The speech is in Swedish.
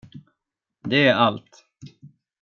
Det är allt.